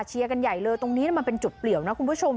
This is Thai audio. กันใหญ่เลยตรงนี้มันเป็นจุดเปลี่ยวนะคุณผู้ชม